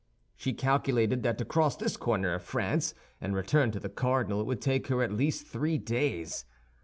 She calculated that to cross this corner of France and return to the cardinal it would take her at least three days.